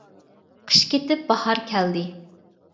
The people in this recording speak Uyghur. قىش كېتىپ باھار كەلدى.